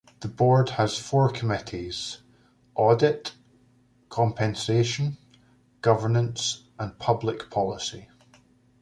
The board has four committees: Audit, Compensation, Governance, and Public Policy.